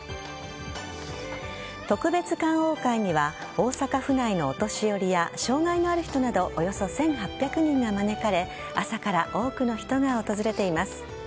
特別観桜会には大阪府内のお年寄りや障害のある人などおよそ１８００人が招かれ朝から多くの人が訪れています。